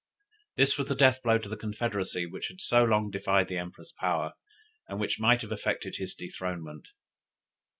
This was the death blow to the confederacy which had so long defied the Emperor's power, and which might have effected his dethronement.